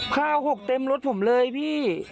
ข้าวหกเต็มรถผมเลยพี่